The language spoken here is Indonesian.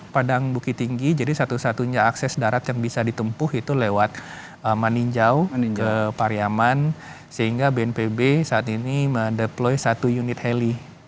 padang bukit tinggi jadi satu satunya akses darat yang bisa ditempuh itu lewat meninjau ke pariaman sehingga bnpb saat ini mendeploy satu unit heli